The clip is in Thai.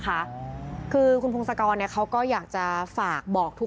แต่เขายังเสียสละเวลานั้นมาป้อนผม